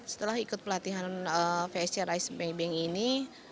setelah ikut pelatihan vsc rise maybank ini